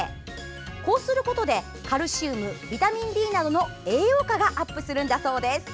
こうすることで、カルシウムビタミンＤなどの栄養価がアップするんだそうです。